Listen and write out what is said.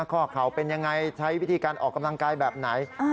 ข้อเข่าเป็นยังไงใช้วิธีการออกกำลังกายแบบไหน